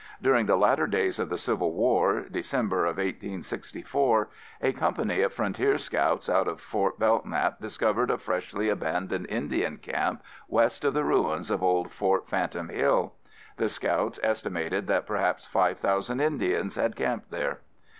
During the latter days of the Civil War, December of 1864, a company of frontier scouts out of Fort Belknap discovered a freshly abandoned Indian camp west of the ruins of old Fort Phantom Hill. The scouts estimated that perhaps 5,000 Indians had camped there.